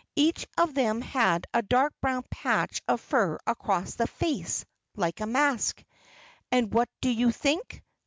Each of them had a dark brown patch of fur across the face, like a mask. And what do you think?